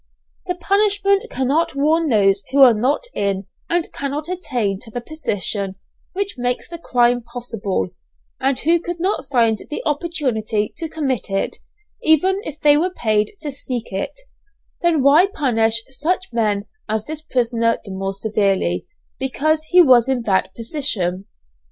The punishment cannot warn those who are not in and cannot attain to the position which makes the crime possible, and who could not find the opportunity to commit it, even if they were paid to seek it; then why punish such men as this prisoner the more severely, because he was in that position?